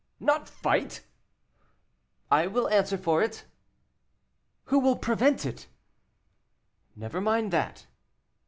"Not fight!" "I answer for it." "Who will prevent it?" "Never mind that."